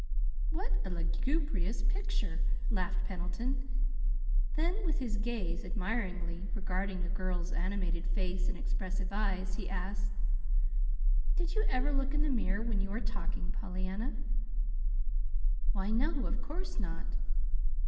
"What a lugubrious picture!" laughed Pendleton. Then, with his gaze admiringly regarding the girl's animated face and expressive eyes, he asked: "Did you ever look in the mirror when you were talking, Pollyanna?" "Why, no, of course not!"